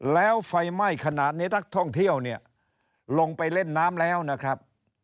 แล้วไฟไหม้ขนาดนี้นักท่องเที่ยวเนี่ยลงไปเล่นน้ำแล้วนะครับ